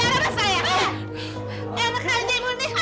beli anginnya sama aku ya